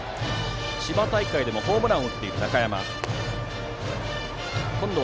千葉大会でもホームランを打っている中山。